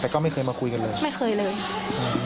แต่ก็ไม่เคยมาคุยกันเลยไม่เคยเลยค่ะ